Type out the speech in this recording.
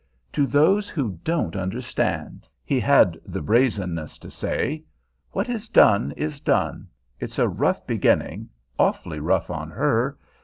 "To those who don't understand," he had the brazenness to say. "What is done is done. It's a rough beginning awfully rough on her.